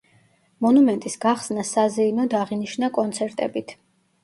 მონუმენტის გახსნა საზეიმოდ აღინიშნა კონცერტებით.